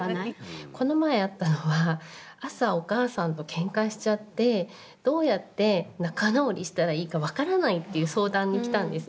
この前あったのは朝お母さんとけんかしちゃってどうやって仲直りしたらいいか分からないっていう相談にきたんですね。